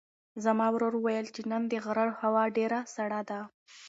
زما ورور وویل چې نن د غره هوا ډېره سړه ده.